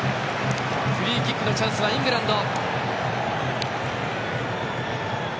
フリーキックのチャンスはイングランド。